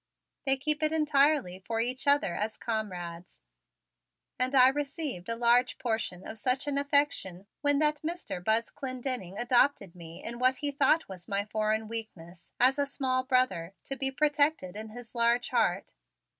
They keep it entirely for each other as comrades, and I received a large portion of such an affection when that Mr. Buzz Clendenning adopted me in what he thought was my foreign weakness, as a small brother to be protected in his large heart.